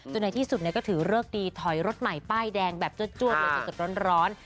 จนในที่สุดก็ถือเลิกดีถอยรถใหม่ป้ายแดงแบบจวด